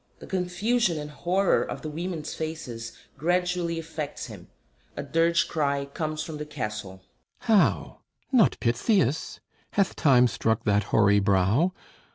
[The confusion and horror of the Women's faces gradually affects him. A dirge cry comes from the Castle.] How? Not Pittheus? Hath Time struck that hoary brow?